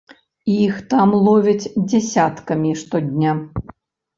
Іх там ловяць дзясяткамі штодня.